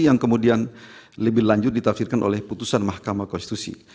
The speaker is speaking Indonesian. yang kemudian lebih lanjut ditafsirkan oleh putusan mahkamah konstitusi